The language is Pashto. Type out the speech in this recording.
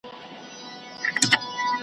برابر پر نعمتونو سو ناپامه .